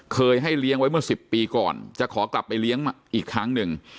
เคยให้เลี้ยงไว้เมื่อ๑๐ปีก่อนจะขอกลับไปเลี้ยงอีกครั้งหนึ่ง